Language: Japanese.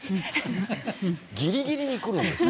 ぎりぎりに来るんですよ。